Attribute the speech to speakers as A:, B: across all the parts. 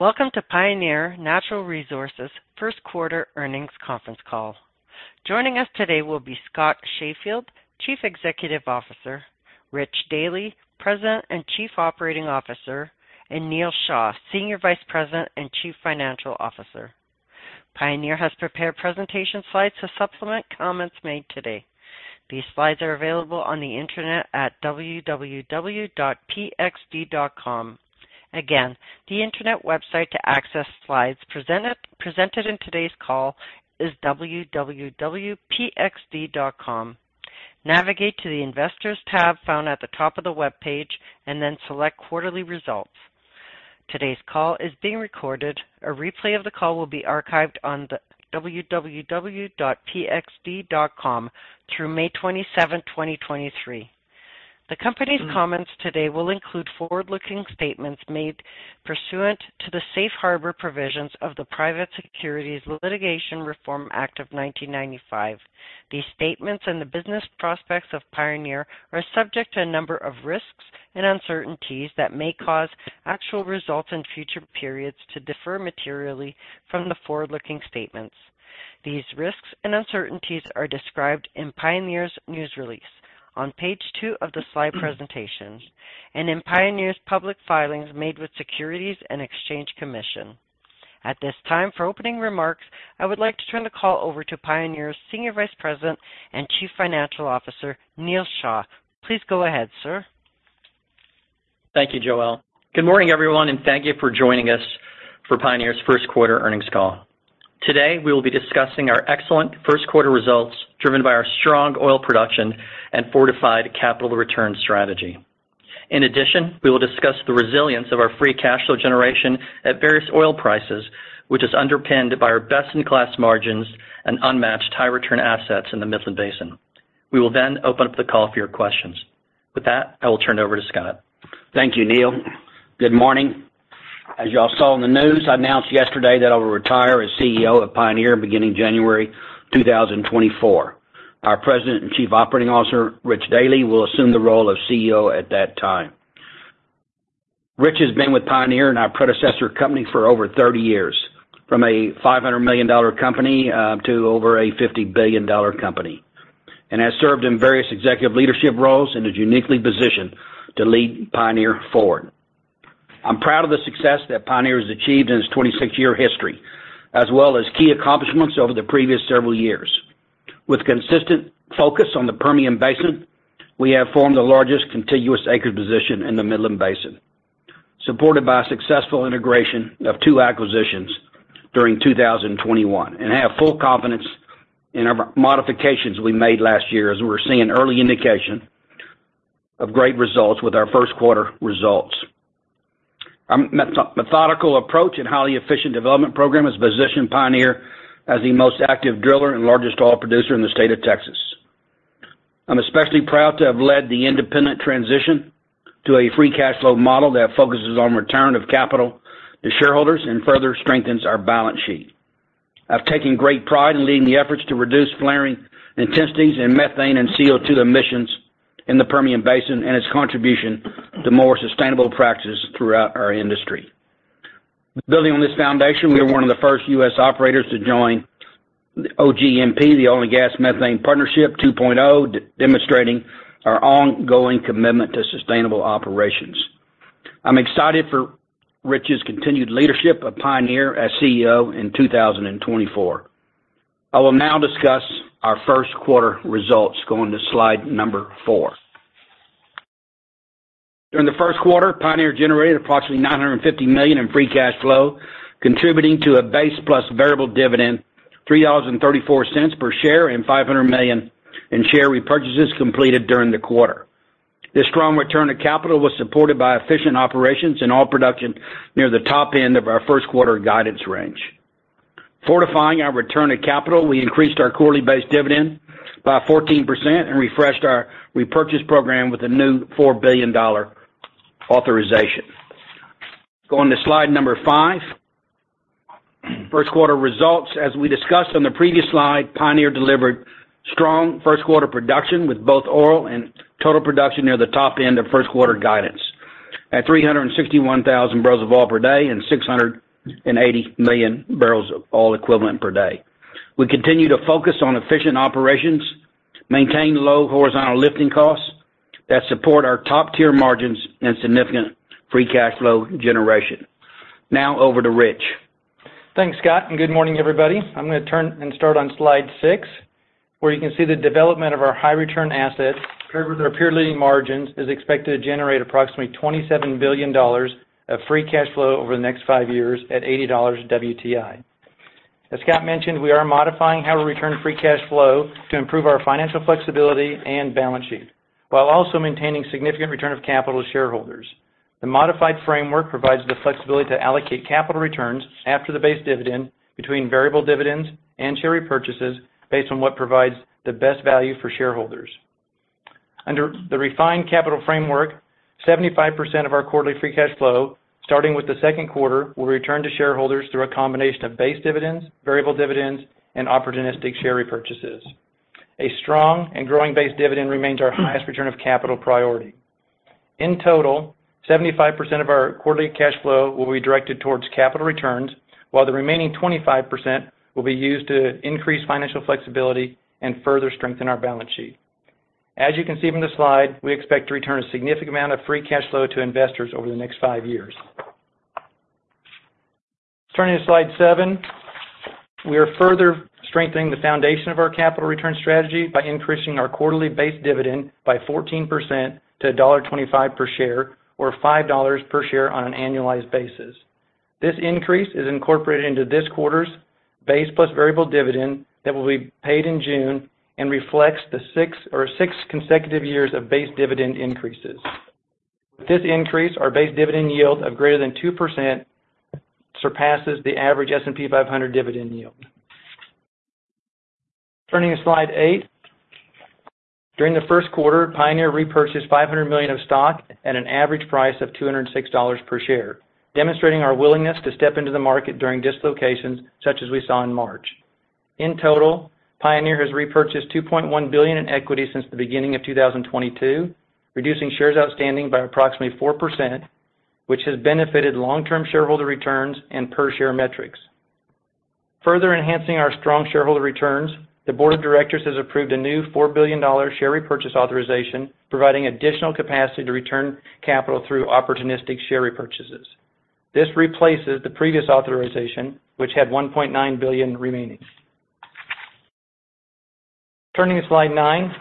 A: Welcome to Pioneer Natural Resources Q1 earnings conference call. Joining us today will be Scott Sheffield, Chief Executive Officer, Rich Dealy, President and Chief Operating Officer, and Neal H. Shah, Senior Vice President and Chief Financial Officer. Pioneer has prepared presentation slides to supplement comments made today. These slides are available on the internet at www.pxd.com. Again, the internet website to access slides presented in today's call is www.pxd.com. Navigate to the Investors tab found at the top of the webpage and then select Quarterly Results. Today's call is being recorded. A replay of the call will be archived on the www.pxd.com through May 27, 2023. The company's comments today will include forward-looking statements made pursuant to the Safe Harbor provisions of the Private Securities Litigation Reform Act of 1995. These statements and the business prospects of Pioneer are subject to a number of risks and uncertainties that may cause actual results in future periods to differ materially from the forward-looking statements. These risks and uncertainties are described in Pioneer's news release on page two of the slide presentation and in Pioneer's public filings made with Securities and Exchange Commission. At this time, for opening remarks, I would like to turn the call over to Pioneer's Senior Vice President and Chief Financial Officer, Neal H. Shah. Please go ahead, sir.
B: Thank you, Joelle. Good morning, everyone, and thank you for joining us for Pioneer's Q1 earnings call. Today, we will be discussing our excellent Q1 results, driven by our strong oil production and fortified capital return strategy. In addition, we will discuss the resilience of our Free Cash Flow generation at various oil prices, which is underpinned by our best-in-class margins and unmatched high return assets in the Midland Basin. We will then open up the call for your questions. With that, I will turn it over to Scott.
C: Thank you, Neal. Good morning. As you all saw in the news, I announced yesterday that I will retire as CEO of Pioneer beginning January 2024. Our President and Chief Operating Officer, Rich Dealy, will assume the role of CEO at that time. Rich has been with Pioneer and our predecessor company for over 30 years, from a $500 million company to over a $50 billion company, and has served in various executive leadership roles and is uniquely positioned to lead Pioneer forward. I'm proud of the success that Pioneer has achieved in its 26-year history, as well as key accomplishments over the previous several years. With consistent focus on the Permian Basin, we have formed the largest contiguous acre position in the Midland Basin, supported by a successful integration of two acquisitions during 2021, and have full confidence in our modifications we made last year as we're seeing early indication of great results with our Q1 results. Our methodical approach and highly efficient development program has positioned Pioneer as the most active driller and largest oil producer in the state of Texas. I'm especially proud to have led the independent transition to a Free Cash Flow model that focuses on return of capital to shareholders and further strengthens our balance sheet. I've taken great pride in leading the efforts to reduce flaring intensities and methane and CO2 emissions in the Permian Basin and its contribution to more sustainable practices throughout our industry. Building on this foundation, we are one of the first U.S. Operators to join OGMP, the Oil and Gas Methane Partnership 2.0, demonstrating our ongoing commitment to sustainable operations. I'm excited for Rich's continued leadership of Pioneer as CEO in 2024. I will now discuss our Q1 results, going to slide number 4. During the Q1, Pioneer generated approximately $950 million in Free Cash Flow, contributing to a base plus variable dividend, $3.34 per share, and $500 million in share repurchases completed during the quarter. This strong return to capital was supported by efficient operations in all production near the top end of our Q1 guidance range. Fortifying our return to capital, we increased our quarterly Base Dividend by 14% and refreshed our repurchase program with a new $4 billion authorization. Going to slide number five. Q1 results, as we discussed on the previous slide, Pioneer delivered strong Q1 production with both oil and total production near the top end of Q1 guidance at 361,000 barrels of oil per day and 680 million barrels of oil equivalent per day. We continue to focus on efficient operations, maintain low horizontal lifting costs that support our top-tier margins and significant Free Cash Flow generation. Over to Rich.
D: Thanks, Scott. Good morning, everybody. I'm gonna turn and start on slide six, where you can see the development of our high return assets. Our peer-leading margins is expected to generate approximately $27 billion of Free Cash Flow over the next five years at $80 WTI. As Scott mentioned, we are modifying how to return Free Cash Flow to improve our financial flexibility and balance sheet, while also maintaining significant return of capital to shareholders. The modified framework provides the flexibility to allocate capital returns after the Base Dividend between variable dividends and share repurchases based on what provides the best value for shareholders. Under the refined capital framework, 75% of our quarterly Free Cash Flow, starting with the 2Q, will return to shareholders through a combination of Base Dividend, variable dividends, and opportunistic share repurchases. A strong and growing Base Dividend remains our highest return of capital priority. In total, 75% of our quarterly cash flow will be directed towards capital returns, while the remaining 25% will be used to increase financial flexibility and further strengthen our balance sheet. As you can see from the slide, we expect to return a significant amount of Free Cash Flow to investors over the next 5 years. Turning to slide 7. We are further strengthening the foundation of our capital return strategy by increasing our quarterly Base Dividend by 14% to $1.25 per share or $5 per share on an annualized basis. This increase is incorporated into this quarter's base plus Variable Dividend that will be paid in June and reflects the 6 consecutive years of Base Dividend increases. With this increase, our Base Dividend yield of greater than 2% surpasses the average S&P 500 dividend yield. Turning to slide 8. During the Q1, Pioneer repurchased $500 million of stock at an average price of $206 per share, demonstrating our willingness to step into the market during dislocations such as we saw in March. In total, Pioneer has repurchased $2.1 billion in equity since the beginning of 2022, reducing shares outstanding by approximately 4%, which has benefited long-term shareholder returns and per-share metrics. Further enhancing our strong shareholder returns, the board of directors has approved a new $4 billion share repurchase authorization, providing additional capacity to return capital through opportunistic share repurchases. This replaces the previous authorization, which had $1.9 billion remaining. Turning to slide 9.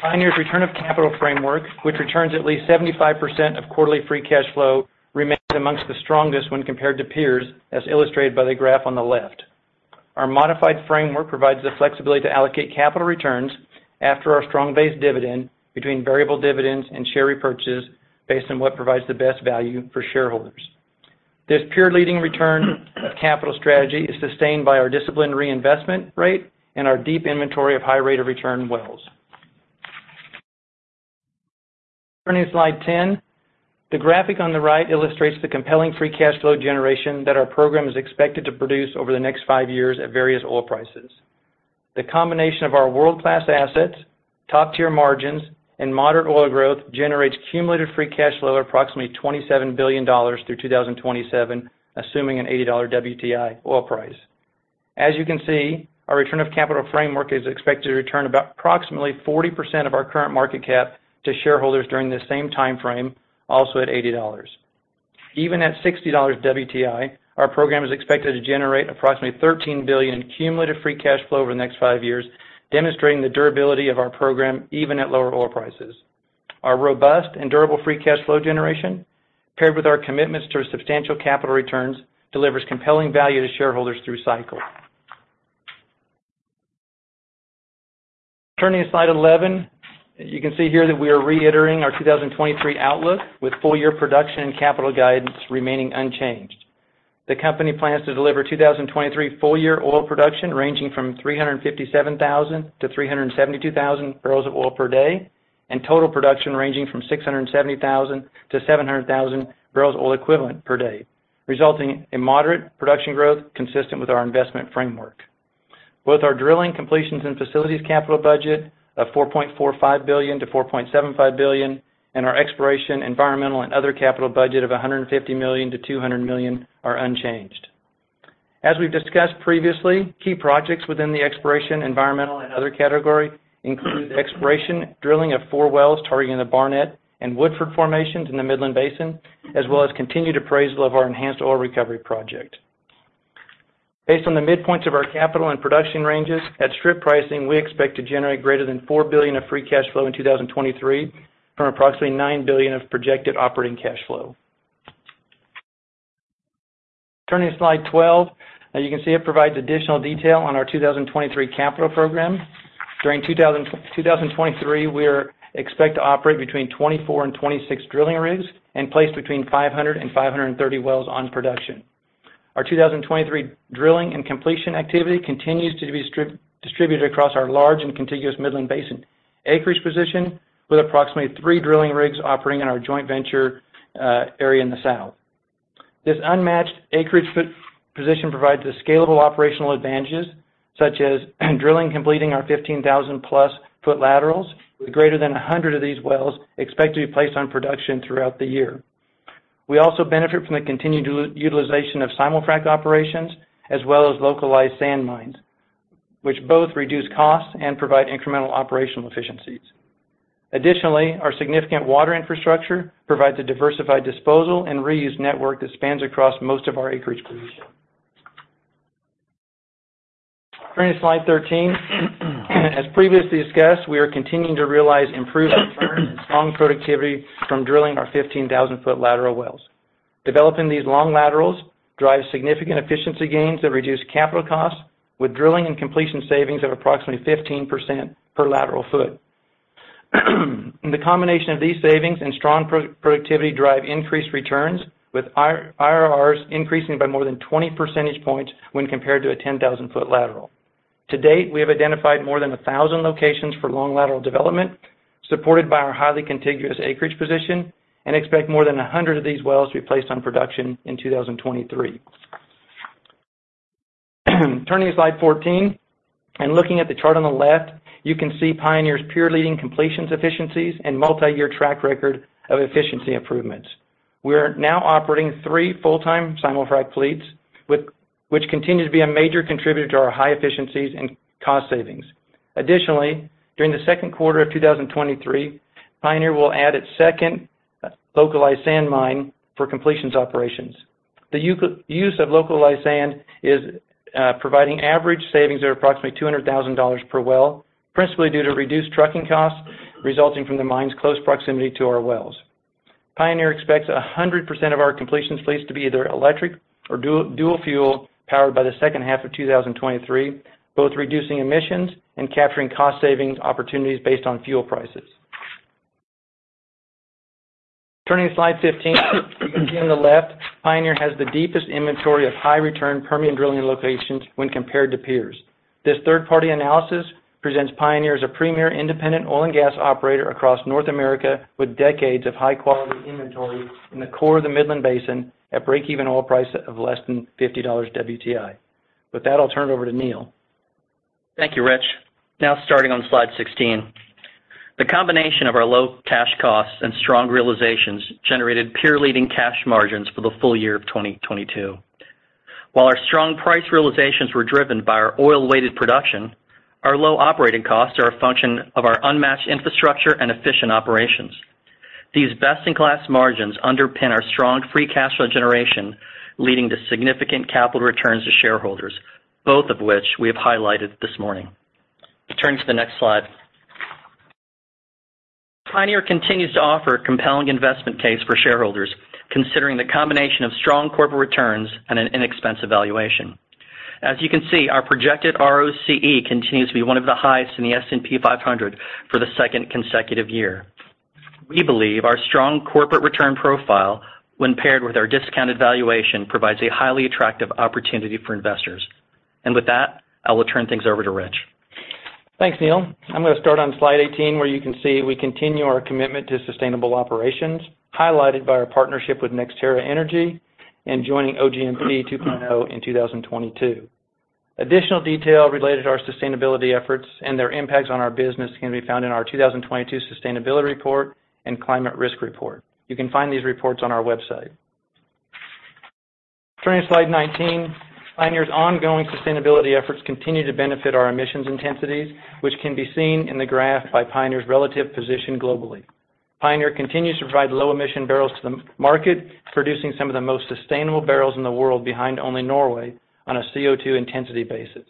D: Pioneer's return of capital framework, which returns at least 75% of quarterly Free Cash Flow, remains amongst the strongest when compared to peers, as illustrated by the graph on the left. Our modified framework provides the flexibility to allocate capital returns after our strong Base Dividend between Variable Dividend and share repurchases based on what provides the best value for shareholders. This peer-leading return capital strategy is sustained by our disciplined reinvestment rate and our deep inventory of high rate of return wells. Turning to slide 10. The graphic on the right illustrates the compelling Free Cash Flow generation that our program is expected to produce over the next 5 years at various oil prices. The combination of our world-class assets, top-tier margins, and moderate oil growth generates cumulative Free Cash Flow of approximately $27 billion through 2027, assuming an $80 WTI oil price. As you can see, our return of capital framework is expected to return approximately 40% of our current market cap to shareholders during the same timeframe, also at $80. Even at $60 WTI, our program is expected to generate approximately $13 billion cumulative Free Cash Flow over the next 5 years, demonstrating the durability of our program even at lower oil prices. Our robust and durable Free Cash Flow generation, paired with our commitments to substantial capital returns, delivers compelling value to shareholders through cycles. Turning to slide 11. As you can see here that we are reiterating our 2023 outlook, with full year production and capital guidance remaining unchanged. The company plans to deliver 2023 full year oil production ranging from 357,000-372,000 barrels of oil per day, and total production ranging from 670,000-700,000 barrels of oil equivalent per day, resulting in moderate production growth consistent with our investment framework. Both our drilling completions and facilities capital budget of $4.45 billion-$4.75 billion, and our exploration, environmental, and other capital budget of $150 million-$200 million are unchanged. As we've discussed previously, key projects within the exploration, environmental, and other category include the exploration drilling of 4 wells targeting the Barnett and Woodford formations in the Midland Basin, as well as continued appraisal of our enhanced oil recovery project. Based on the midpoints of our capital and production ranges, at strip pricing, we expect to generate greater than $4 billion of Free Cash Flow in 2023 from approximately $9 billion of projected operating cash flow. Turning to slide 12. As you can see, it provides additional detail on our 2023 capital program. During 2023, we expect to operate between 24 and 26 drilling rigs and place between 500 and 530 wells on production. Our 2023 drilling and completion activity continues to be distributed across our large and contiguous Midland Basin acreage position, with approximately 3 drilling rigs operating in our joint venture area in the south. This unmatched acreage position provides the scalable operational advantages, such as drilling and completing our 15,000+ foot laterals, with greater than 100 of these wells expected to be placed on production throughout the year. We also benefit from the continued utilization of simulfrac operations as well as localized sand mines, which both reduce costs and provide incremental operational efficiencies. Additionally, our significant water infrastructure provides a diversified disposal and reuse network that spans across most of our acreage position. Turning to slide 13. As previously discussed, we are continuing to realize improved returns and strong productivity from drilling our 15,000-foot lateral wells. Developing these long laterals drives significant efficiency gains that reduce capital costs with drilling and completion savings of approximately 15% per lateral foot. The combination of these savings and strong pro-productivity drive increased returns with IRRs increasing by more than 20 percentage points when compared to a 10,000-foot lateral. To date, we have identified more than 1,000 locations for long lateral development, supported by our highly contiguous acreage position, and expect more than 100 of these wells to be placed on production in 2023. Turning to slide 14, looking at the chart on the left, you can see Pioneer's peer-leading completions efficiencies and multiyear track record of efficiency improvements. We are now operating three full-time simulfrac fleets, which continue to be a major contributor to our high efficiencies and cost savings. Additionally, during the Q2 of 2023, Pioneer will add its second localized sand mine for completions operations. The use of localized sand is providing average savings of approximately $200,000 per well, principally due to reduced trucking costs resulting from the mine's close proximity to our wells. Pioneer expects 100% of our completions fleets to be either electric or dual-fuel powered by the second half of 2023, both reducing emissions and capturing cost savings opportunities based on fuel prices. Turning to slide 15, you can see on the left Pioneer has the deepest inventory of high return Permian drilling locations when compared to peers. This third-party analysis presents Pioneer as a premier independent oil and gas Operator across North America with decades of high quality inventory in the core of the Midland Basin at breakeven oil price of less than $50 WTI. With that, I'll turn it over to Neil Mehta.
E: Thank you, Rich. Now starting on slide 16. The combination of our low cash costs and strong realizations generated peer-leading cash margins for the full year of 2022. While our strong price realizations were driven by our oil-weighted production, our low operating costs are a function of our unmatched infrastructure and efficient operations. These best-in-class margins underpin our strong Free Cash Flow generation, leading to significant capital returns to shareholders, both of which we have highlighted this morning. Turning to the next slide. Pioneer continues to offer a compelling investment case for shareholders, considering the combination of strong corporate returns and an inexpensive valuation. As you can see, our projected ROCE continues to be one of the highest in the S&P 500 for the second consecutive year. We believe our strong corporate return profile, when paired with our discounted valuation, provides a highly attractive opportunity for investors. With that, I will turn things over to Rich.
D: Thanks, Neil. I'm gonna start on slide 18, where you can see we continue our commitment to sustainable operations, highlighted by our partnership with NextEra Energy and joining OGMP 2.0 in 2022. Additional detail related to our sustainability efforts and their impacts on our business can be found in our 2022 sustainability report and climate risk report. You can find these reports on our website. Turning to slide 19, Pioneer's ongoing sustainability efforts continue to benefit our emissions intensities, which can be seen in the graph by Pioneer's relative position globally. Pioneer continues to provide low emission barrels to the market, producing some of the most sustainable barrels in the world behind only Norway on a CO2 intensity basis.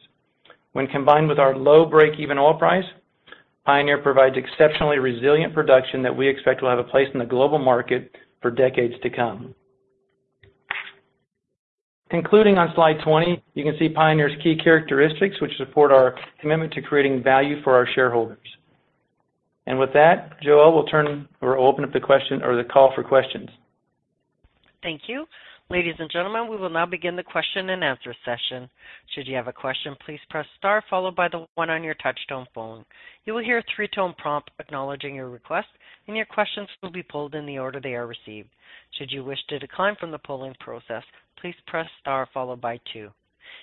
D: When combined with our low breakeven oil price, Pioneer provides exceptionally resilient production that we expect will have a place in the global market for decades to come. Concluding on slide 20, you can see Pioneer's key characteristics, which support our commitment to creating value for our shareholders. With that, Joelle, we'll open up the call for questions.
A: Thank you. Ladies and gentlemen, we will now begin the question-and-answer session. Should you have a question, please press star followed by the one on your touch-tone phone. You will hear a three-tone prompt acknowledging your request, and your questions will be pulled in the order they are received. Should you wish to decline from the polling process, please press star followed by two.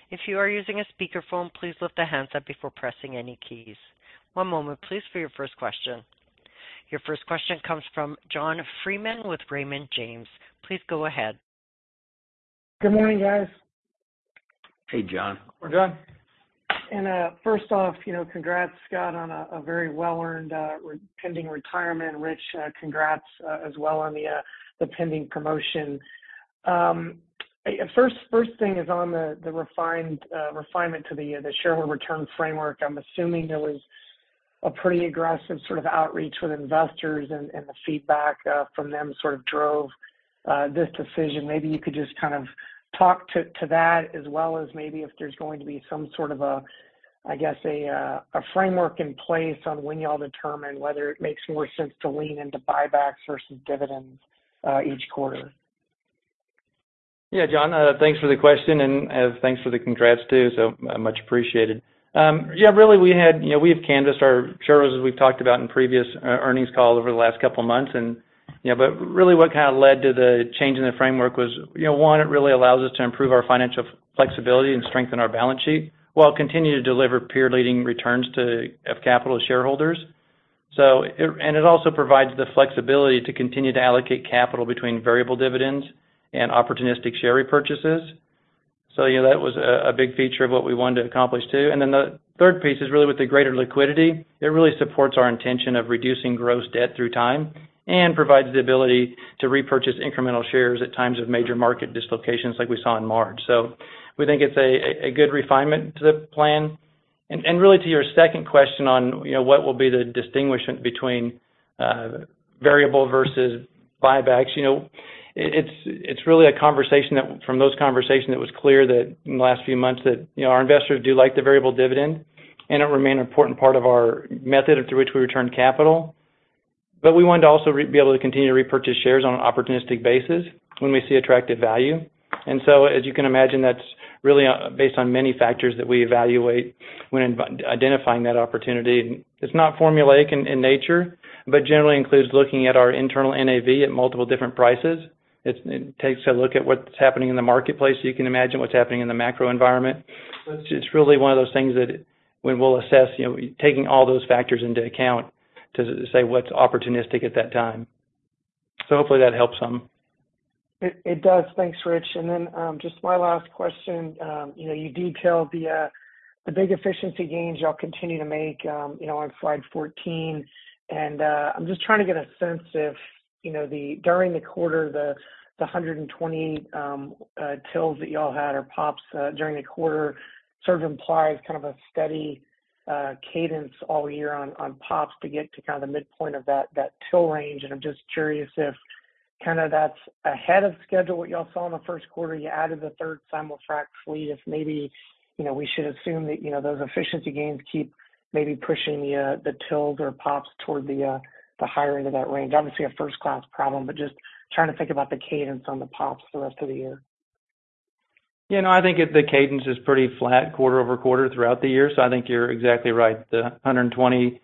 A: If you are using a speakerphone, please lift the handset before pressing any keys. One moment please for your first question. Your first question comes from John Freeman with Raymond James. Please go ahead.
F: Good morning, guys.
B: Hey, John.
D: Good morning, John.
F: First off, you know, congrats, Scott Sheffield, on a very well-earned re-pending retirement. Rich Dealy, congrats as well on the pending promotion. First thing is on the refinement to the shareholder return framework. I'm assuming there was a pretty aggressive sort of outreach with investors and the feedback from them sort of drove this decision. Maybe you could just kind of talk to that as well as maybe if there's going to be some sort of a, I guess a framework in place on when y'all determine whether it makes more sense to lean into buybacks versus dividends each quarter.
D: Yeah, John, thanks for the question, and thanks for the congrats too. Much appreciated. Yeah, really we had, you know, we have canvassed our shareholders as we've talked about in previous earnings calls over the last couple of months and, you know. Really what kind of led to the change in the framework was, you know, one, it really allows us to improve our financial flexibility and strengthen our balance sheet, while continue to deliver peer-leading returns to F capital shareholders. And it also provides the flexibility to continue to allocate capital between Variable Dividend and opportunistic share repurchases. You know, that was a big feature of what we wanted to accomplish too. The third piece is really with the greater liquidity. It really supports our intention of reducing gross debt through time and provides the ability to repurchase incremental shares at times of major market dislocations like we saw in March. We think it's a good refinement to the plan. Really to your second question on, you know, what will be the distinguishment between variable versus buybacks. You know, it's really a conversation from those conversations, it was clear that in the last few months that, you know, our investors do like the Variable Dividend, and it remain an important part of our method through which we return capital. We wanted to also be able to continue to repurchase shares on an opportunistic basis when we see attractive value. As you can imagine, that's really based on many factors that we evaluate when identifying that opportunity. Generally includes looking at our internal NAV at multiple different prices. It takes a look at what's happening in the marketplace. You can imagine what's happening in the macro environment. It's really one of those things that we will assess, you know, taking all those factors into account to say what's opportunistic at that time. Hopefully that helps some.
F: It does. Thanks, Rich. Just my last question, you know, you detailed the big efficiency gains y'all continue to make, you know, on slide 14. I'm just trying to get a sense if, you know, during the quarter, the 120 TILS that y'all had or pops during the quarter sort of implies kind of a steady cadence all year on pops to get to kind of the midpoint of that TIL range. I'm just curious if kind of that's ahead of schedule what y'all saw in the Q1. You added the third simulfrac fleet. You know, we should assume that, you know, those efficiency gains keep maybe pushing the TILS or pops toward the higher end of that range. Obviously, a first-class problem, but just trying to think about the cadence on the pops the rest of the year.
D: You know, I think the cadence is pretty flat quarter-over-quarter throughout the year. I think you're exactly right. The 120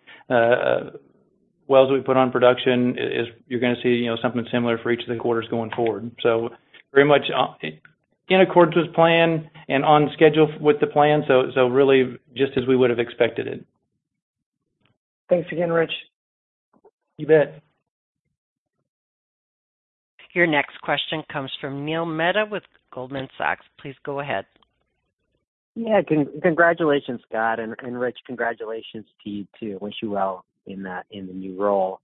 D: wells we put on production is you're gonna see, you know, something similar for each of the quarters going forward. Very much in accordance with plan and on schedule with the plan. Really just as we would've expected it.
F: Thanks again, Rich.
D: You bet.
A: Your next question comes from Neil Mehta with Goldman Sachs. Please go ahead.
E: Yeah. Congratulations, Scott Sheffield, and Rich Dealy, congratulations to you, too. Wish you well in the new role.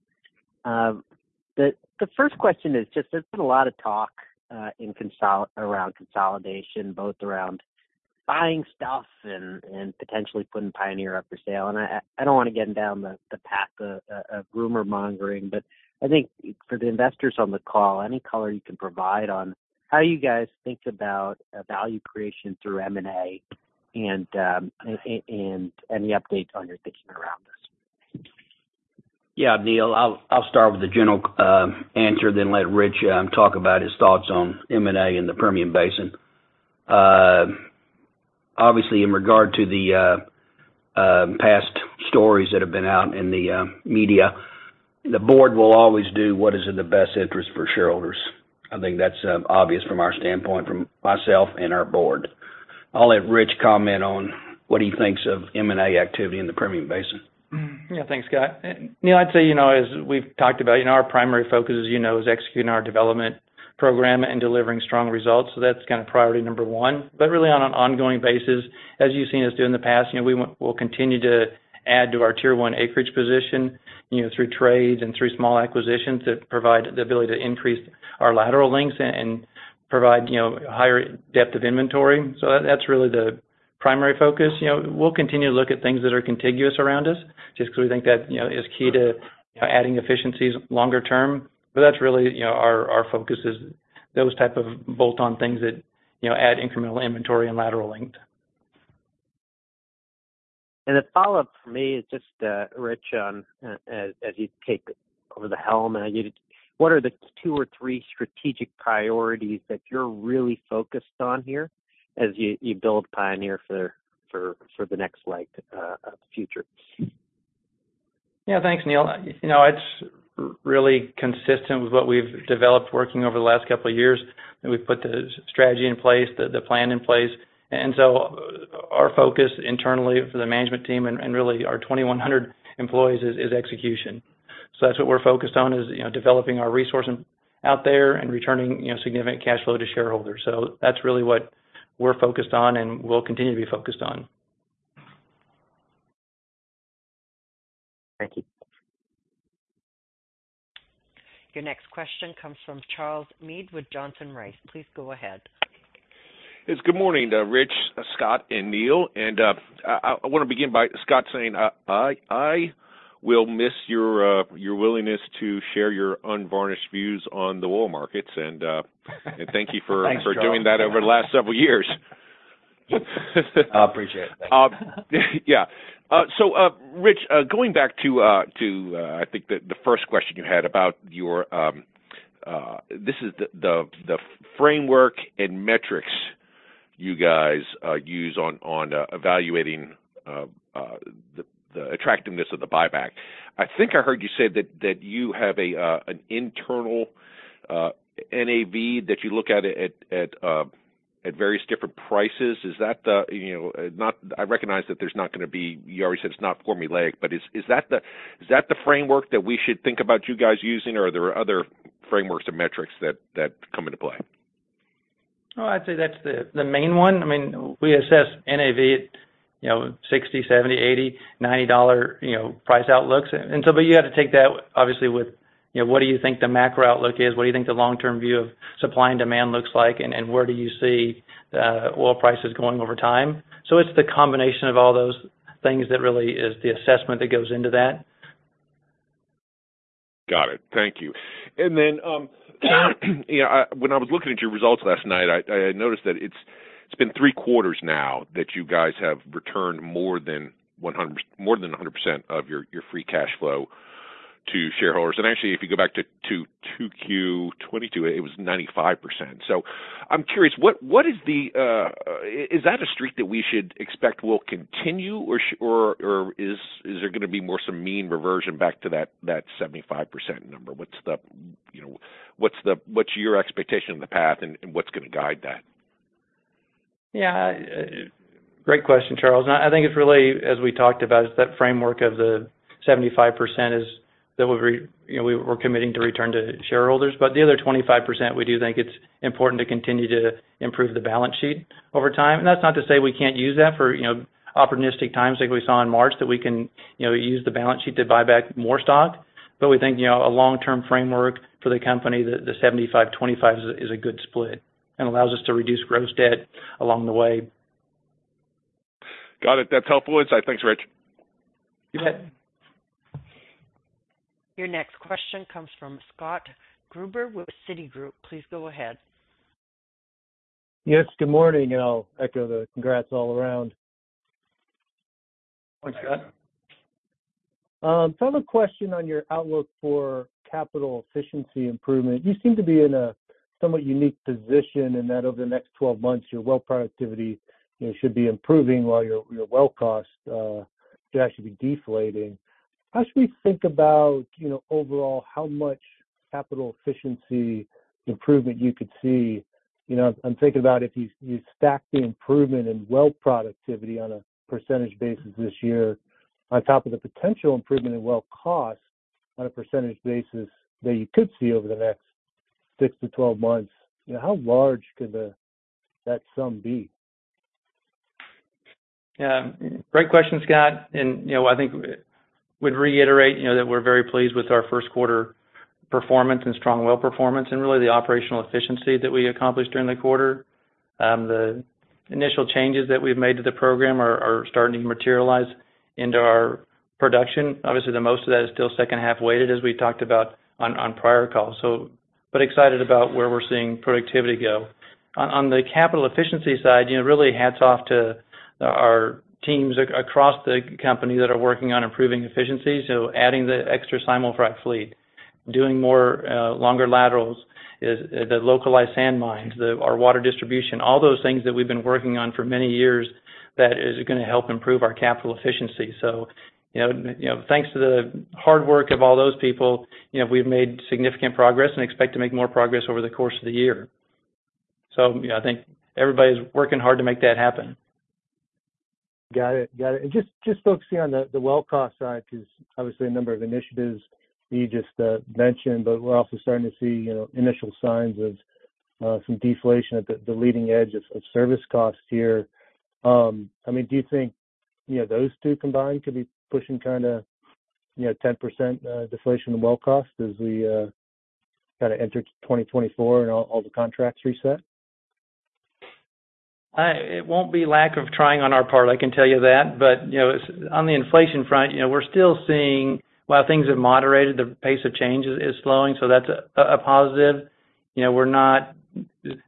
E: The first question is just there's been a lot of talk around consolidation, both around buying stuff and potentially putting Pioneer up for sale. I don't wanna get down the path of rumor mongering, I think for the investors on the call, any color you can provide on how you guys think about value creation through M&A and any updates on your thinking around this.
C: Neal, I'll start with the general answer then let Rich talk about his thoughts on M&A in the Permian Basin. Obviously, in regard to the past stories that have been out in the media, the Board will always do what is in the best interest for shareholders. I think that's obvious from our standpoint, from myself and our Board. I'll let Rich comment on what he thinks of M&A activity in the Permian Basin.
D: Yeah. Thanks, Scott. Neal, I'd say, you know, as we've talked about, you know, our primary focus, you know, is executing our development program and delivering strong results. That's kind of priority number 1. Really on an ongoing basis, as you've seen us do in the past, you know, we will continue to add to our tier 1 acreage position, you know, through trades and through small acquisitions that provide the ability to increase our lateral lengths and provide, you know, higher depth of inventory. That's really the primary focus. You know, we'll continue to look at things that are contiguous around us just 'cause we think that, you know, is key to, you know, adding efficiencies longer term. That's really, you know, our focus is those type of bolt-on things that, you know, add incremental inventory and lateral length.
E: The follow-up for me is just Rich, as you take over the helm, what are the two or three strategic priorities that you're really focused on here as you build Pioneer for the next leg of the future?
D: Yeah. Thanks, Neal. You know, it's really consistent with what we've developed working over the last couple of years, and we've put the strategy in place, the plan in place. Our focus internally for the management team and really our 2,100 employees is execution. That's what we're focused on is, you know, developing our resources out there and returning, you know, significant cash flow to shareholders. That's really what we're focused on and will continue to be focused on.
E: Thank you.
A: Your next question comes from Charles Meade with Johnson Rice. Please go ahead.
G: Yes. Good morning to Rich, Scott, and Neal. I wanna begin by Scott saying I will miss your willingness to share your unvarnished views on the oil markets. Thank you for-
C: Thanks, Charles...
G: for doing that over the last several years.
C: I appreciate it. Thanks.
G: Yeah. Rich, going back to, I think the first question you had about your, this is the framework and metrics you guys use on evaluating the attractiveness of the buyback. I think I heard you say that you have an internal NAV that you look at various different prices. Is that the, you know, I recognize that there's not gonna be, you already said it's not formulaic, but is that the framework that we should think about you guys using, or are there other frameworks or metrics that come into play?
D: No, I'd say that's the main one. I mean, we assess NAV at, you know, $60, $70, $80, $90, you know, price outlooks. You have to take that obviously with, you know, what do you think the macro outlook is? What do you think the long-term view of supply and demand looks like, and where do you see oil prices going over time? It's the combination of all those things that really is the assessment that goes into that.
G: Got it. Thank you. Then, you know, when I was looking at your results last night, I noticed that It's been three quarters now that you guys have returned more than 100% of your Free Cash Flow to shareholders. Actually, if you go back to Q22, it was 95%. I'm curious, what is the, is that a streak that we should expect will continue or is there gonna be more some mean reversion back to that 75% number? What's your expectation on the path and what's gonna guide that?
D: Yeah. Great question, Charles. I think it's really, as we talked about, it's that framework of the 75% is that we're, you know, we're committing to return to shareholders. The other 25%, we do think it's important to continue to improve the balance sheet over time. That's not to say we can't use that for, you know, opportunistic times like we saw in March, that we can, you know, use the balance sheet to buy back more stock. We think, you know, a long-term framework for the company, the 75-25 is a good split and allows us to reduce gross debt along the way.
G: Got it. That's helpful insight. Thanks, Rich.
D: You bet.
A: Your next question comes from Scott Gruber with Citigroup. Please go ahead.
H: Yes, good morning, and I'll echo the congrats all around.
D: Thanks, Scott.
H: I have a question on your outlook for capital efficiency improvement. You seem to be in a somewhat unique position in that over the next 12 months, your well productivity, you know, should be improving while your well cost should actually be deflating. How should we think about, you know, overall, how much capital efficiency improvement you could see? I'm thinking about if you stack the improvement in well productivity on a percentage basis this year on top of the potential improvement in well cost on a percentage basis that you could see over the next 6-12 months. How large could that sum be?
D: Great question, Scott. You know, I think would reiterate, you know that we're very pleased with our Q1 performance and strong well performance and really the operational efficiency that we accomplished during the quarter. The initial changes that we've made to the program are starting to materialize into our production. Obviously, most of that is still second half weighted, as we talked about on prior calls. But excited about where we're seeing productivity go. On the capital efficiency side, you know, really hats off to our teams across the company that are working on improving efficiency. Adding the extra simulfrac fleet, doing more longer laterals, the localized sand mines, our water distribution, all those things that we've been working on for many years that is gonna help improve our capital efficiency. You know, thanks to the hard work of all those people, you know, we've made significant progress and expect to make more progress over the course of the year. You know, I think everybody's working hard to make that happen.
H: Got it. Got it. Just focusing on the well cost side, because obviously a number of initiatives you just mentioned, we're also starting to see, you know, initial signs of some deflation at the leading edge of service costs here. I mean, do you think, you know, those two combined could be pushing kinda, you know, 10% deflation in well cost as we kind of enter 2024 and all the contracts reset?
D: It won't be lack of trying on our part, I can tell you that. You know, on the inflation front, you know, we're still seeing while things have moderated, the pace of change is slowing, so that's a positive. You know, we're not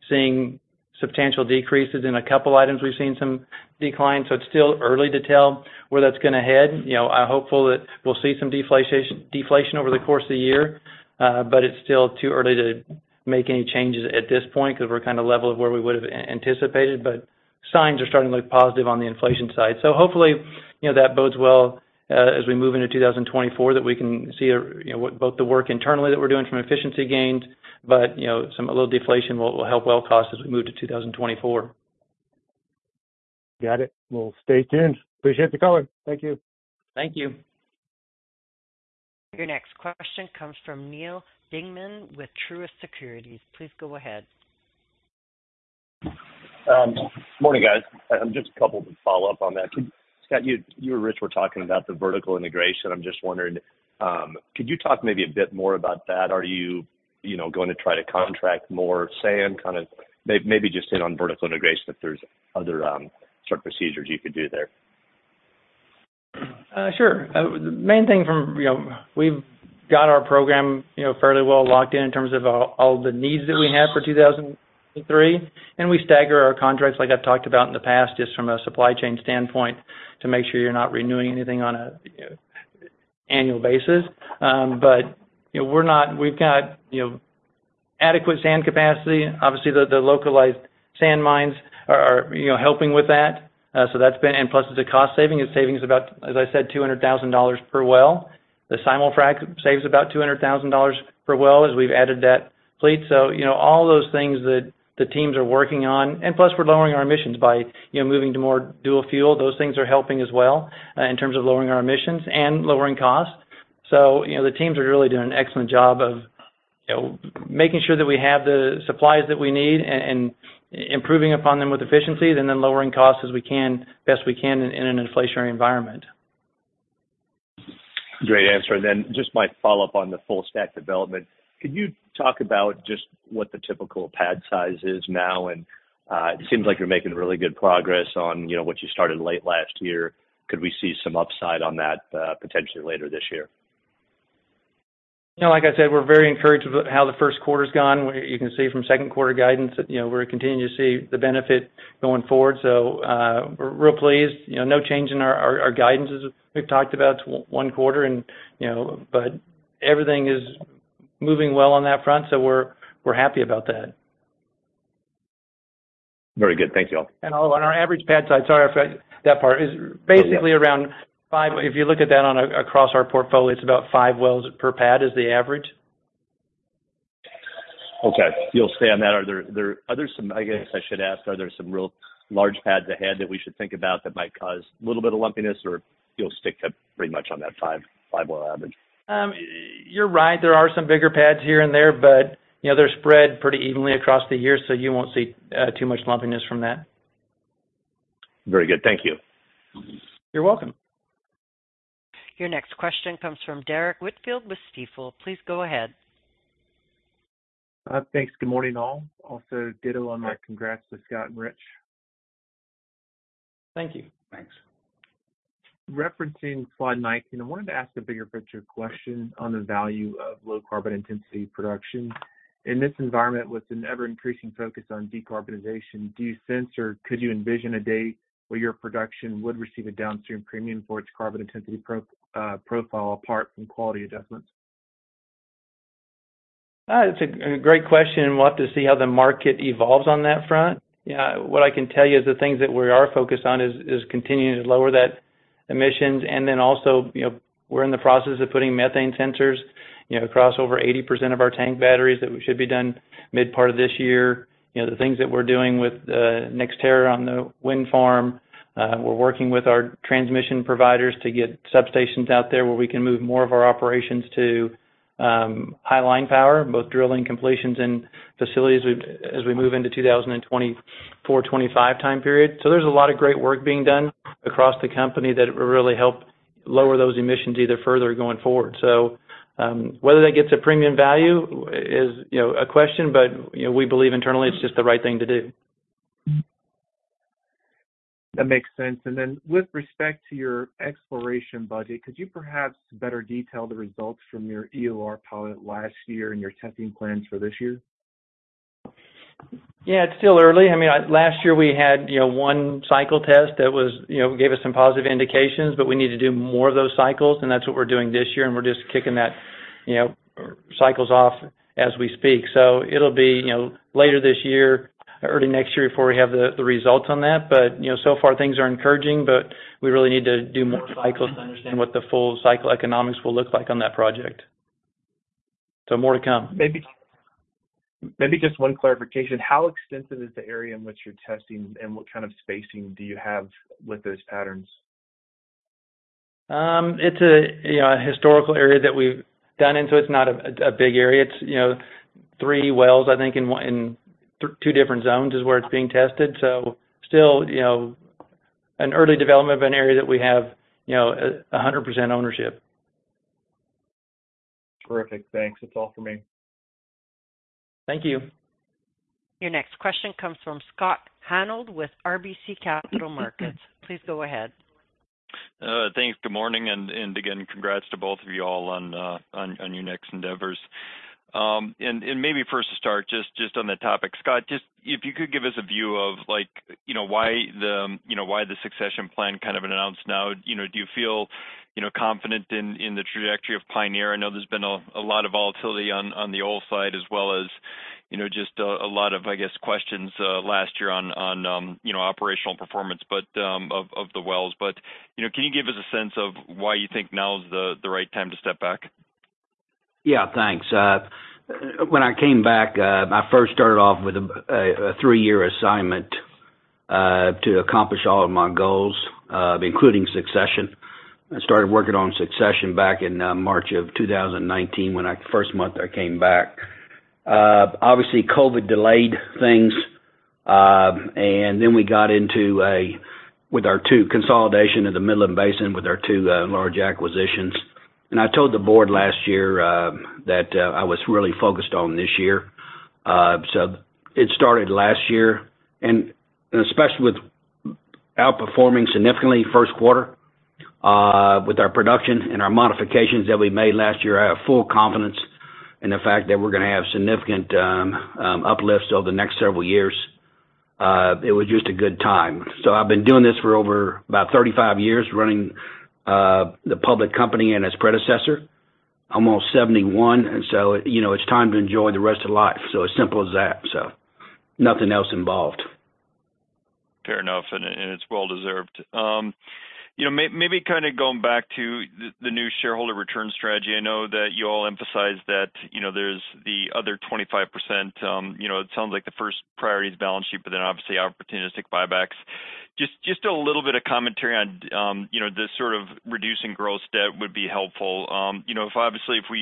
D: seeing substantial decreases. In a couple items, we've seen some decline, so it's still early to tell where that's gonna head. You know, I'm hopeful that we'll see some deflation over the course of the year. It's still too early to make any changes at this point 'cause we're kinda level of where we would've anticipated. Signs are starting to look positive on the inflation side. Hopefully, you know, that bodes well, as we move into 2024, that we can see, you know, what both the work internally that we're doing from efficiency gains, you know, some, a little deflation will help well cost as we move to 2024.
H: Got it. We'll stay tuned. Appreciate the color. Thank you.
D: Thank you.
A: Your next question comes from Neal Dingmann with Truist Securities. Please go ahead.
I: Morning, guys. Just a couple to follow up on that. Scott, you and Rich were talking about the vertical integration. I'm just wondering, could you talk maybe a bit more about that? Are you know, going to try to contract more sand, kind of maybe just hit on vertical integration if there's other, sort of procedures you could do there?
D: Sure. The main thing from, you know, we've got our program, you know, fairly well locked in in terms of all the needs that we have for 2023. We stagger our contracts like I've talked about in the past, just from a supply chain standpoint to make sure you're not renewing anything on an annual basis. You know, we've got, you know, adequate sand capacity. Obviously, the localized sand mines are, you know, helping with that. That's been. Plus, it's a cost saving. It's savings about, as I said, $200,000 per well. The simulfrac saves about $200,000 for a well as we've added that fleet. You know, all those things that the teams are working on. Plus, we're lowering our emissions by, you know, moving to more dual-fuel. Those things are helping as well, in terms of lowering our emissions and lowering costs. You know, the teams are really doing an excellent job of, you know, making sure that we have the supplies that we need and improving upon them with efficiency and then lowering costs as we can, best we can in an inflationary environment.
I: Great answer. Then just my follow-up on the full stack development. Could you talk about just what the typical pad size is now? It seems like you're making really good progress on, you know, what you started late last year. Could we see some upside on that, potentially later this year?
D: No, like I said, we're very encouraged with how the Q1 gone. You can see from Q2 guidance that, you know, we're continuing to see the benefit going forward. We're real pleased. You know, no change in our guidance as we've talked about one quarter and, you know, but everything is moving well on that front, so we're happy about that.
I: Very good. Thank you all.
D: On our average pad side, that part is basically around 5. If you look at that across our portfolio, it's about 5 wells per pad is the average.
I: Okay. You'll stay on that. Are there some-- I guess I should ask, are there some real large pads ahead that we should think about that might cause a little bit of lumpiness, or you'll stick to pretty much on that 5 well average?
D: You're right. There are some bigger pads here and there, but, you know, they're spread pretty evenly across the year, so you won't see too much lumpiness from that.
I: Very good. Thank you.
D: You're welcome.
A: Your next question comes from Derrick Whitfield with Stifel. Please go ahead.
J: Thanks. Good morning, all. Also ditto on my congrats to Scott and Rich.
D: Thank you.
C: Thanks.
J: Referencing slide 9, you know, I wanted to ask a bigger picture question on the value of low carbon intensity production. In this environment, with an ever-increasing focus on decarbonization, do you sense, or could you envision a date where your production would receive a downstream premium for its carbon intensity profile apart from quality adjustments?
D: It's a great question. We'll have to see how the market evolves on that front. What I can tell you is the things that we are focused on is continuing to lower that emissions. Also, you know, we're in the process of putting methane sensors, you know, across over 80% of our tank batteries that we should be done mid part of this year. You know, the things that we're doing with NextEra on the wind farm, we're working with our transmission providers to get substations out there where we can move more of our operations to high line power, both drilling completions and facilities as we move into 2024, 2025 time period. There's a lot of great work being done across the company that will really help lower those emissions either further going forward. Whether that gets a premium value is, you know, a question, but, you know, we believe internally it's just the right thing to do.
J: That makes sense. With respect to your exploration budget, could you perhaps better detail the results from your EOR pilot last year and your testing plans for this year?
D: Yeah, it's still early. I mean, last year we had, you know, one cycle test that was, you know, gave us some positive indications, but we need to do more of those cycles, and that's what we're doing this year, and we're just kicking that, you know, cycles off as we speak. It'll be, you know, later this year or early next year before we have the results on that. You know, so far things are encouraging, but we really need to do more cycles to understand what the full cycle economics will look like on that project. More to come.
J: Maybe just one clarification. How extensive is the area in which you're testing, and what kind of spacing do you have with those patterns?
D: It's a, you know, a historical area that we've done. It's not a big area. It's, you know, 3 wells, I think, in two different zones is where it's being tested. Still, you know, an early development of an area that we have, you know, 100% ownership.
J: Terrific. Thanks. That's all for me.
D: Thank you.
A: Your next question comes from Scott Hanold with RBC Capital Markets. Please go ahead.
K: Thanks. Good morning, and again, congrats to both of you all on your next endeavors. Maybe first to start on that topic, Scott, if you could give us a view of like, you know, why the succession plan kind of announced now. You know, do you feel, you know, confident in the trajectory of Pioneer? I know there's been a lot of volatility on the oil side as well as, you know, just a lot of, I guess, questions last year on operational performance, but of the wells. You know, can you give us a sense of why you think now is the right time to step back?
C: Yeah, thanks. When I came back, I first started off with a three-year assignment to accomplish all of my goals, including succession. I started working on succession back in March of 2019 when first month I came back. Obviously COVID delayed things, then we got into with our two consolidation in the Midland Basin with our two large acquisitions. I told the board last year that I was really focused on this year. It started last year. Especially with outperforming significantly Q1, with our production and our modifications that we made last year, I have full confidence in the fact that we're gonna have significant uplifts over the next several years. It was just a good time. I've been doing this for over about 35 years, running, the public company and its predecessor. I'm almost 71, and so, you know, it's time to enjoy the rest of life. As simple as that, so nothing else involved.
K: Fair enough, it's well deserved. You know, maybe kind of going back to the new shareholder return strategy. I know that you all emphasize that, you know, there's the other 25%, you know, it sounds like the first priority is balance sheet, obviously opportunistic buybacks. Just a little bit of commentary on, you know, the sort of reducing gross debt would be helpful. You know, if obviously, if we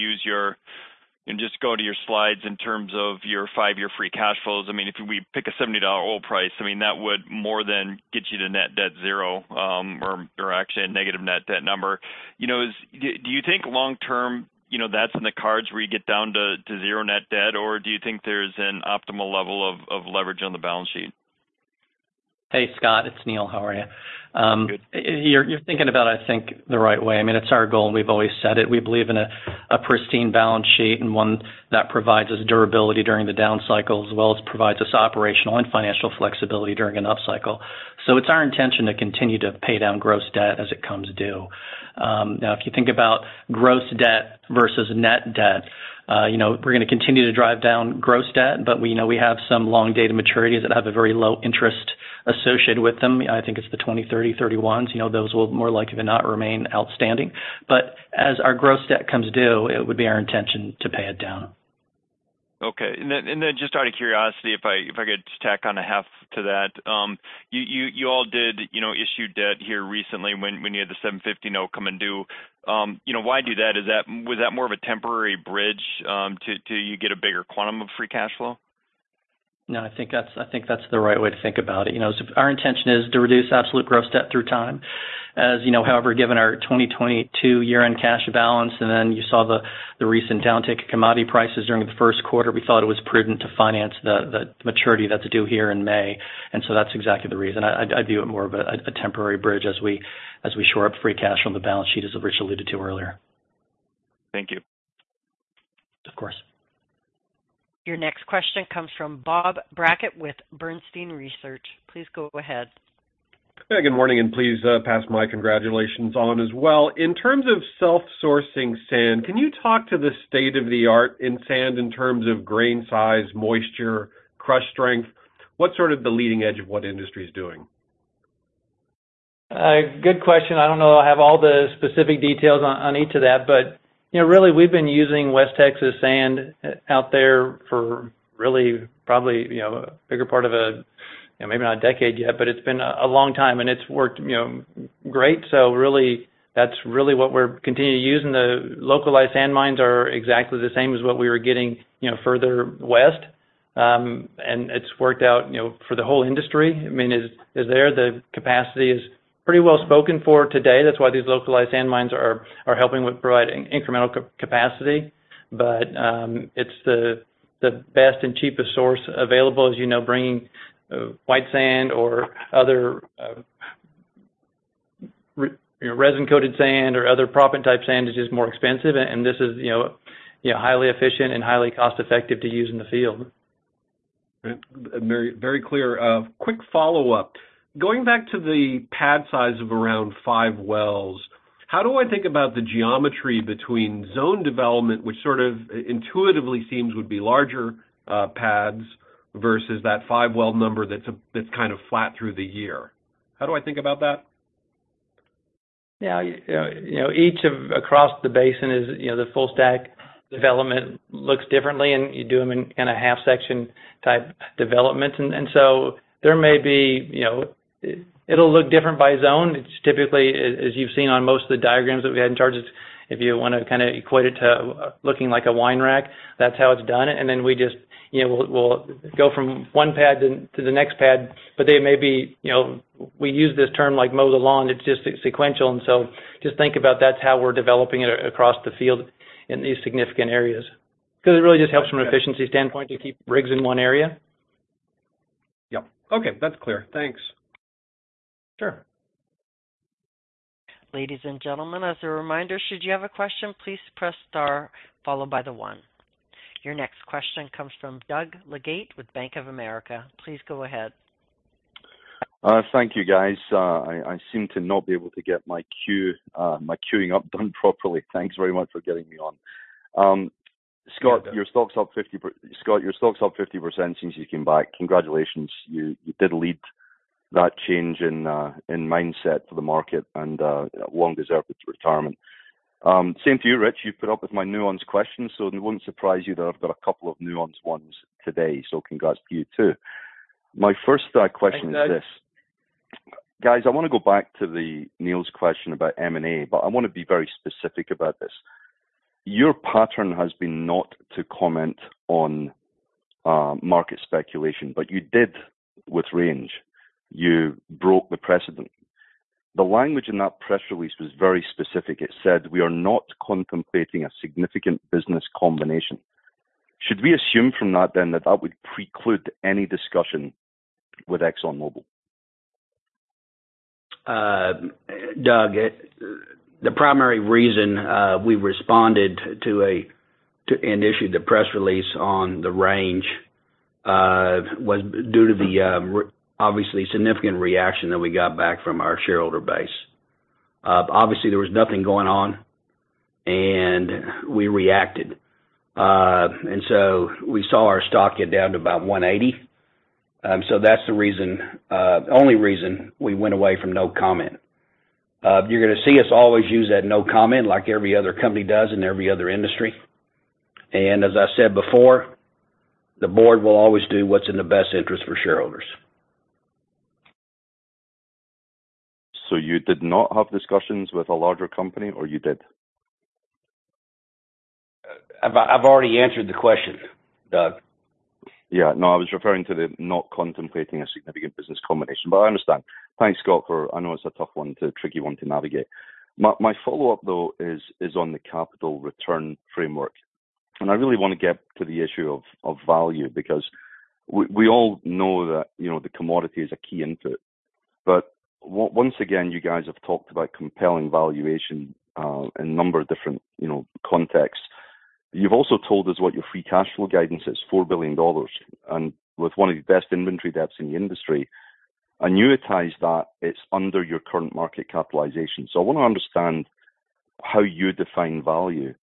K: just go to your slides in terms of your five-year Free Cash Flow. I mean, if we pick a $70 oil price, I mean, that would more than get you to net debt zero, or actually a negative net debt number. You know, Do you think long term, you know, that's in the cards where you get down to zero net debt, or do you think there's an optimal level of leverage on the balance sheet?
D: Hey, Scott, it's Neil. How are you?
K: Good.
D: You're thinking about, I think, the right way. I mean, it's our goal, and we've always said it. We believe in a pristine balance sheet and one that provides us durability during the down cycle, as well as provides us operational and financial flexibility during an upcycle. It's our intention to continue to pay down gross debt as it comes due. Now, if you think about gross debt versus net debt, you know, we're gonna continue to drive down gross debt, but we know we have some long data maturities that have a very low interest associated with them. I think it's the 20/30/31s. You know, those will more likely than not remain outstanding. As our gross debt comes due, it would be our intention to pay it down.
C: Okay. Then just out of curiosity, if I could tack on a half to that. You all did, you know, issue debt here recently when you had the $750 note come and due. You know, why do that? Was that more of a temporary bridge till you get a bigger quantum of Free Cash Flow?
D: No, I think that's, I think that's the right way to think about it. You know, our intention is to reduce absolute gross debt through time. As you know, however, given our 2022 year-end cash balance, and then you saw the recent downtick commodity prices during the Q1, we thought it was prudent to finance the maturity that's due here in May. That's exactly the reason. I view it more of a temporary bridge as we shore up free cash from the balance sheet, as Rich alluded to earlier.
C: Thank you.
D: Of course.
A: Your next question comes from Bob Brackett with Bernstein Research. Please go ahead.
L: Yeah, good morning. Please pass my congratulations on as well. In terms of self-sourcing sand, can you talk to the state-of-the-art in sand in terms of grain size, moisture, crush strength? What's sort of the leading edge of what industry is doing?
D: Good question. I don't know I have all the specific details on each of that. You know, really, we've been using West Texas sand out there for really probably, you know, a bigger part of a, you know, maybe not a decade yet, but it's been a long time and it's worked, you know, great. Really, that's really what we're continuing to use. The localized sand mines are exactly the same as what we were getting, you know, further west. And it's worked out, you know, for the whole industry. I mean, is there? The capacity is pretty well spoken for today. That's why these localized sand mines are helping with providing incremental capacity. It's the best and cheapest source available. As you know, bringing, white sand or other, you know, resin-coated sand or other proppant type sand is just more expensive, and this is, you know, highly efficient and highly cost-effective to use in the field.
L: Very, very clear. Quick follow-up. Going back to the pad size of around 5 wells, how do I think about the geometry between zone development, which sort of intuitively seems would be larger, pads versus that 5-well number that's kind of flat through the year? How do I think about that?
D: Yeah, you know, each of across the basin is, you know, the full stack development looks differently, and you do them in a half section type development. There may be, you know. It'll look different by zone. It's typically, as you've seen on most of the diagrams that we had in charges, if you wanna kinda equate it to looking like a wine rack, that's how it's done. We just, you know, we'll go from one pad to the next pad. They may be, you know, we use this term like mow the lawn. It's just sequential, and so just think about that's how we're developing it across the field in these significant areas. 'Cause it really just helps from an efficiency standpoint to keep rigs in one area.
L: Yep. Okay, that's clear. Thanks.
D: Sure.
A: Ladies and gentlemen, as a reminder, should you have a question, please press star followed by the one. Your next question comes from Doug Leggate with Bank of America. Please go ahead.
M: Thank you, guys. I seem to not be able to get my queue, my queuing up done properly. Thanks very much for getting me on. Scott, your stock's up 50% since you came back. Congratulations. You did lead that change in mindset for the market and long-deserved retirement. Same to you, Rich. You've put up with my nuanced questions, it won't surprise you that I've got a couple of nuanced ones today. Congrats to you too. My first question is this: Guys, I wanna go back to Neal's question about M&A, I wanna be very specific about this. Your pattern has been not to comment on market speculation, you did with Range Resources. You broke the precedent. The language in that press release was very specific. It said, "We are not contemplating a significant business combination." Should we assume from that then that that would preclude any discussion with ExxonMobil?
C: Doug, the primary reason we responded to and issued the press release on the Range, was due to the obviously significant reaction that we got back from our shareholder base. Obviously, there was nothing going on, we reacted. We saw our stock get down to about 180. That's the reason, only reason we went away from no comment. You're gonna see us always use that no comment like every other company does in every other industry. As I said before, the board will always do what's in the best interest for shareholders.
M: You did not have discussions with a larger company, or you did?
C: I've already answered the question, Doug.
M: Yeah. No, I was referring to the not contemplating a significant business combination, but I understand. Thanks, Scott, for... I know it's a tough one to tricky one to navigate. My follow-up, though, is on the capital return framework. I really want to get to the issue of value because we all know that, you know, the commodity is a key input. Once again, you guys have talked about compelling valuation in a number of different, you know, contexts. You've also told us what your Free Cash Flow guidance is, $4 billion. With one of your best inventory depths in the industry, annuitize that it's under your current market capitalization. I want to understand how you define value.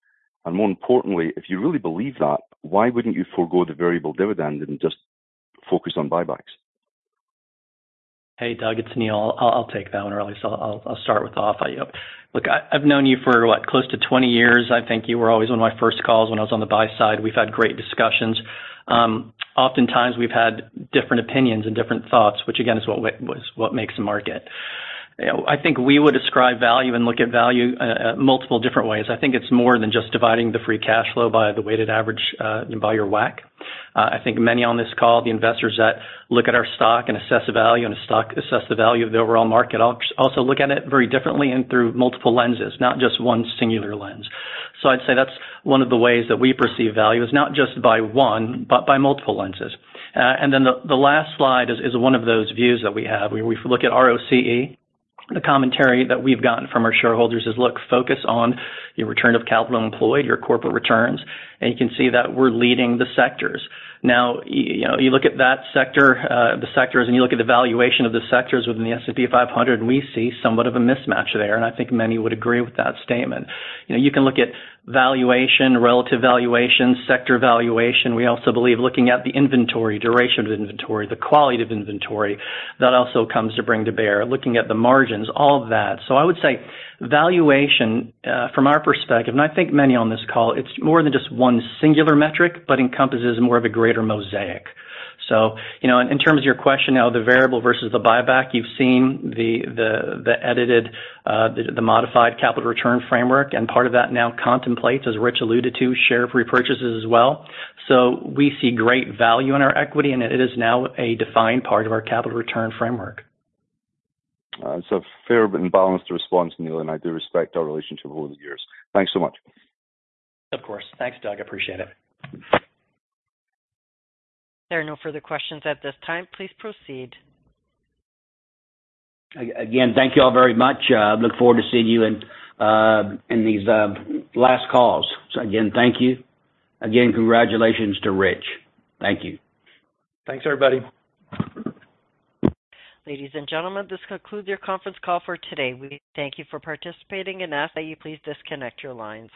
M: More importantly, if you really believe that, why wouldn't you forgot the Variable Dividend and just focus on buybacks?
B: Hey, Doug, it's Neal. I'll take that one early, I'll start with off. I've known you for what? Close to 20 years. I think you were always one of my first calls when I was on the buy side. We've had great discussions. Oftentimes we've had different opinions and different thoughts, which again, is what was what makes a market. You know, I think we would describe value and look at value multiple different ways. I think it's more than just dividing the Free Cash Flow by the weighted average by your WACC. I think many on this call, the investors that look at our stock and assess the value and the stock assess the value of the overall market also look at it very differently and through multiple lenses, not just one singular lens. I'd say that's 1 of the ways that we perceive value is not just by 1, but by multiple lenses. The last slide is 1 of those views that we have. We look at ROCE. The commentary that we've gotten from our shareholders is look, focus on your return of capital employed, your corporate returns, and you can see that we're leading the sectors. You know, you look at that sector, the sectors, and you look at the valuation of the sectors within the S&P 500, and we see somewhat of a mismatch there. I think many would agree with that statement. You know, you can look at valuation, relative valuation, sector valuation. We also believe looking at the inventory, duration of inventory, the quality of inventory, that also comes to bring to bear, looking at the margins, all of that. I would say valuation, from our perspective, and I think many on this call, it's more than just one singular metric, but encompasses more of a greater mosaic. You know, in terms of your question now the variable versus the buyback, you've seen the edited, the modified capital return framework, and part of that now contemplates, as Rich alluded to, share repurchases as well. We see great value in our equity, and it is now a defined part of our capital return framework.
M: It's a fair and balanced response, Neil, I do respect our relationship over the years. Thanks so much.
B: Of course. Thanks, Doug. Appreciate it.
A: There are no further questions at this time. Please proceed.
C: Again, thank you all very much. look forward to seeing you in these last calls. Again, thank you. Again, congratulations to Rich. Thank you.
B: Thanks, everybody.
A: Ladies and gentlemen, this concludes your conference call for today. We thank you for participating and ask that you please disconnect your lines.